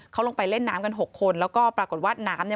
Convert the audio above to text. เขาลงไปเล่นน้ำกันหกคนแล้วก็ปรากฏว่าน้ำเนี่ย